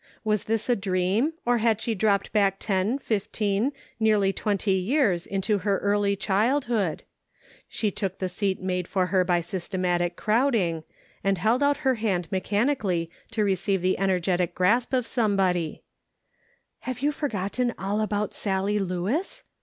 Was this a dream, or had she dropped back ten, fifteen, nearly twenty years into her early childhood ? She took the seat made for her by systematic crowding, and held out her hand mechanically to receive the energetic grasp of somebody :" Have you forgotten all about Sallie Lewis